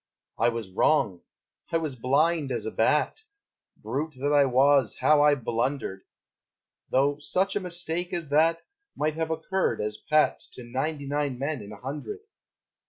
I was wrong, I was blind as a bat, Brute that I was, how I blundered! Though such a mistake as that Might have occurred as pat To ninety nine men in a hundred.